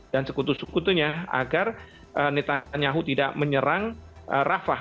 dan sekutu sekutunya agar netanyahu tidak menyerang rafah